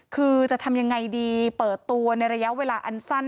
คือจะทำยังไงดีเปิดตัวในระยะเวลาอันสั้น